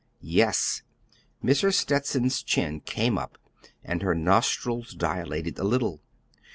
"Yes." Mrs. Stetson's chin came up, and her nostrils dilated a little.